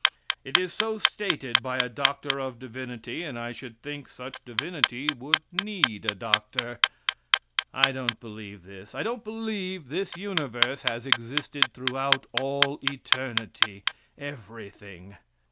It is so stated by a doctor of divinity, and I should think such divinity would need a doctor! I don't believe this. I believe this universe has existed throughout all eternity everything.